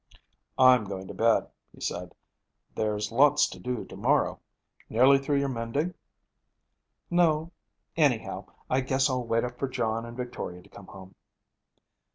'I'm going to bed,' he said, 'there's lots to do to morrow. Nearly through your mending?' 'No. Anyhow, I guess I'll wait up for John and Victoria to come home.'